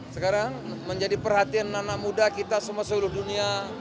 sekarang menjadi perhatian anak anak muda kita semua seluruh dunia